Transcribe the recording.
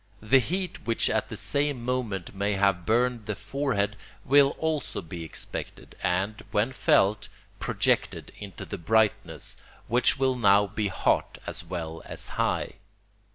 The heat which at the same moment may have burned the forehead will also be expected and, when felt, projected into the brightness, which will now be hot as well as high.